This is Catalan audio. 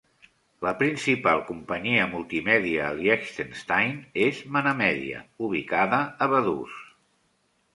La principal companyia multimèdia a Liechtenstein és ManaMedia, ubicada a Vaduz.